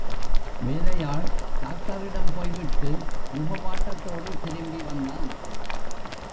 வேலையாள் டாக்டரிடம் போய்விட்டு முகவாட்டத்தோடு திரும்பி வந்தான்.